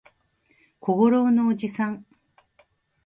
小五郎のおじさん